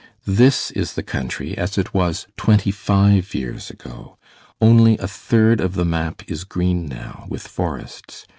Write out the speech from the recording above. This is the country as it was twenty five years ago. Only a third of the map is green now with forests.